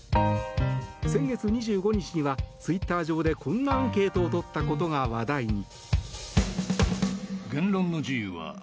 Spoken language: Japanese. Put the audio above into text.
先月２５日にはツイッター上でこんなアンケートをとったことが話題に。